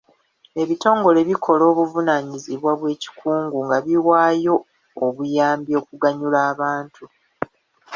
Ebitongole bikola obuvunaanyizibwa bw'ekikungu nga biwaayo obuyambi okuganyula abantu.